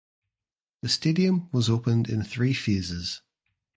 The stadium was opened in three phases.